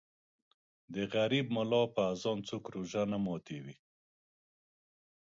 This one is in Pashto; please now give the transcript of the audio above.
د غریب مولا په اذان څوک روژه نه ماتوي